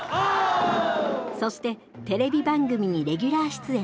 そしてテレビ番組にレギュラー出演。